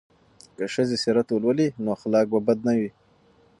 که ښځې سیرت ولولي نو اخلاق به بد نه وي.